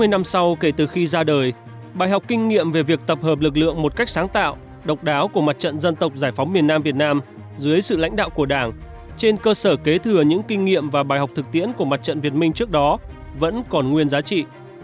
sáu mươi năm sau kể từ khi ra đời bài học kinh nghiệm về việc tập hợp lực lượng một cách sáng tạo độc đáo của mặt trận dân tộc giải phóng miền nam việt nam dưới sự lãnh đạo của đảng trên cơ sở kế thừa những kinh nghiệm và bài học thực tiễn của mặt trận việt minh trước đó vẫn còn nguyên giá trị